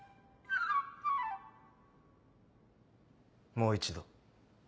もう一度。